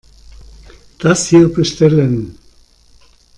Das hier bestellen.